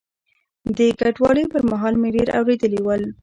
د کډوالۍ پر مهال مې ډېر اورېدلي ول.